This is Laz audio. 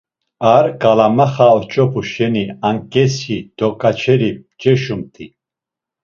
Ar ǩalmaxa oç̌opu şeni anǩesi doǩaçeri mç̌eşumt̆i.